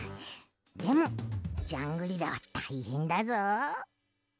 でもジャングリラはたいへんだぞ。